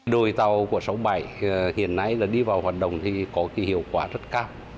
đội tàu của sáu bảy hiện nay đi vào hoạt động thì có hiệu quả rất cao